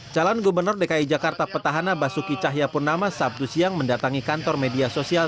calon gubernur dki jakarta petahana basuki cahayapurnama sabtu siang mendatangi kantor media sosial